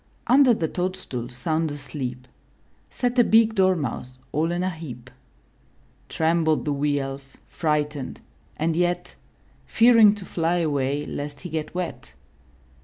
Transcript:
Under the toadstool sound asleep. Sat a big Dormouse all in a heap. Trembled the wee Elf, frightened, and yet Fearing to fly away lest he get wet.